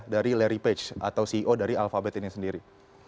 dari larry page atau ceo dari alfabet ini sendiri